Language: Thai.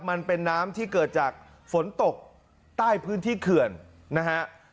มันเป็นน้ำที่เกิดจากฝนตกใต้พื้นที่เขื่อนนะฮะ